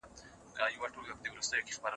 اسلام د ټول بشر د پاره